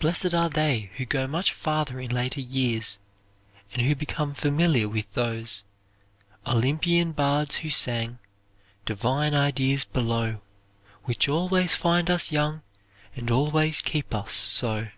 Blessed are they who go much farther in later years, and who become familiar with those "Olympian bards who sang Divine ideas below, Which always find us young And always keep us so."